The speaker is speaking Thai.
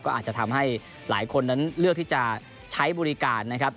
ก็อาจจะทำให้หลายคนนั้นเลือกที่จะใช้บริการนะครับ